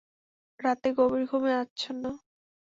রাতে গভীর ঘুমে আচ্ছন্ন।